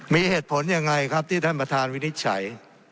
มีเหตุผลยังไงครับที่ท่านประธานวินิจฉัย